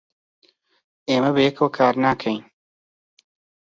ئێمە بەیەکەوە کار ناکەین.